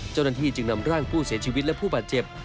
เจ้าหน้าที่จึงนำร่างผู้เสียชีวิตและผู้บาดเจ็บ